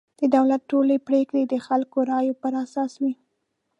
د دولت ټولې پرېکړې د خلکو رایو پر اساس وي.